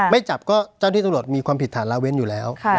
ไม่จับก็เจ้าที่ตำรวจมีความผิดฐานละเว้นอยู่แล้ว